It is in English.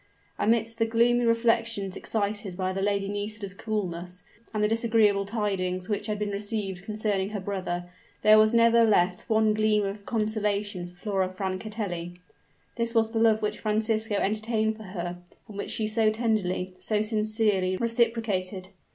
Amidst the gloomy reflections excited by the Lady Nisida's coolness, and the disagreeable tidings which had been received concerning her brother, there was nevertheless one gleam of consolation for Flora Francatelli. This was the love which Francisco entertained for her, and which she so tenderly, so sincerely reciprocated.